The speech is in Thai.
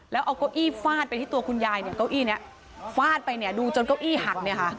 แล้วเอาเก้าอี้ฟาดไปที่ตัวคุณยายเนี่ยเก้าอี้เนี่ยฟาดไปเนี่ยดูจนเก้าอี้หักเนี่ยค่ะ